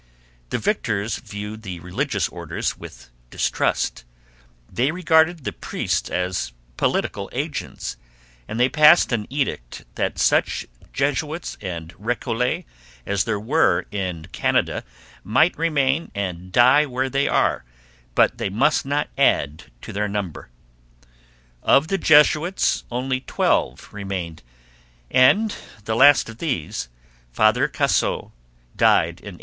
The victors viewed the religious orders with distrust; they regarded the priests as political agents; and they passed an edict that such Jesuits and Recollets as were in Canada might remain and 'die where they are, but they must not add to their number.' Of the Jesuits only twelve remained, and the last of these, Father Casot, died in 1800.